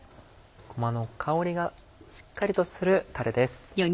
ごまの香りがしっかりとするたれです。